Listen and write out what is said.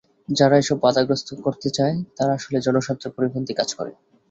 যারা এসব বাধাগ্রস্ত করতে চায়, তারা আসলে জনস্বার্থের পরিপন্থী কাজ করে।